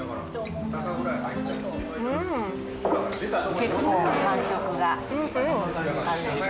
結構感触があるでしょ。